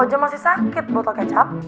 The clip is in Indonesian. aja masih sakit botol kecap